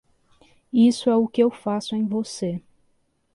Isso é o que eu faço em você.